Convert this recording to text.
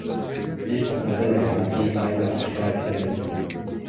Мен Штаттарда элем, анан кийинки айда Африкага кетем деп жүргөм.